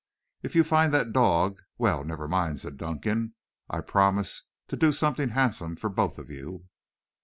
"If you find that dog well, never mind," said Dunkan. "I'll promise to do something handsome for both of you."